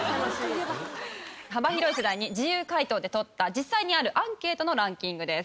幅広い世代に自由回答でとった実際にあるアンケートのランキングです。